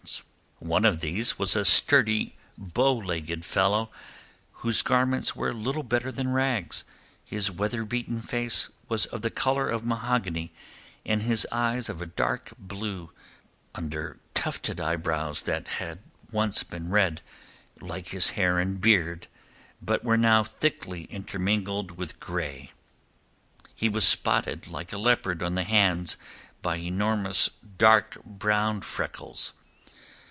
One of these was a sturdy bowlegged fellow, whose garments were little better than rags; his weather beaten face was of the colour of mahogany and his eyes of a dark blue under tufted eyebrows that once had been red—like his hair and beard—but were now thickly intermingled with grey. He was spotted like a leopard on the hands by enormous dark brown freckles.